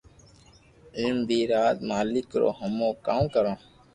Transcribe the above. اي مي بي راز مالڪ رو ھمو ڪاو ڪرو